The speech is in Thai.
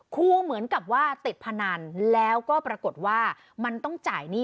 ครูเหมือนกับว่าติดพนันแล้วก็ปรากฏว่ามันต้องจ่ายหนี้